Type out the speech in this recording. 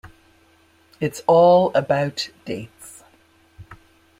It's all about dates.